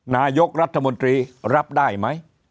นายกรัฐมนตรีรับได้ไหม